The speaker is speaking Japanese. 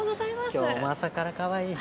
今日も朝からかわいい。